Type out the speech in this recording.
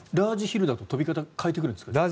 ラージヒルだと飛び方を変えてくるんですか？